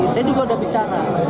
saya juga sudah bicara